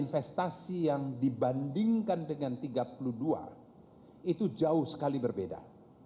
investasi yang dibandingkan dengan tiga puluh dua itu jauh sekali berbeda